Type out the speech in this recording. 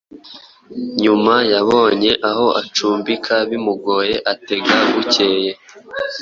nyuma yabonye aho acumbika bimugoye atega bucyeye.